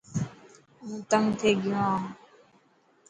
هون تنگ ٿييگيو هان.